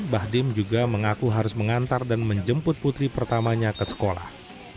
bahdim juga mengaku harus mengantar dan menjemput putri pertamanya ke sekolah